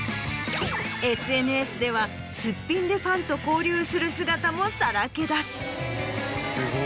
ＳＮＳではすっぴんでファンと交流する姿もさらけ出す。